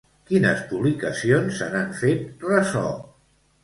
Quines publicacions se n'han fet ressò?